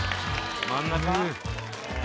真ん中？